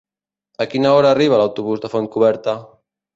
A quina hora arriba l'autobús de Fontcoberta?